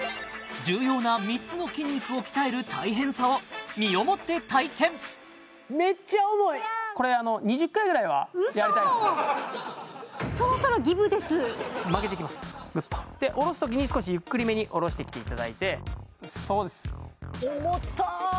重要な３つの筋肉を鍛える大変さを身をもって体験ウソ曲げていきますグッとで下ろす時に少しゆっくりめに下ろしてきていただいてそうです